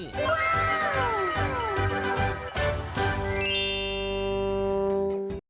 ว้าว